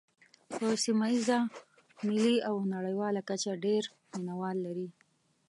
په سیمه ییزه، ملي او نړیواله کچه ډېر مینوال لري.